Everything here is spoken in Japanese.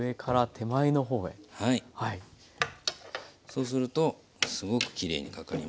そうするとすごくきれいにかかります。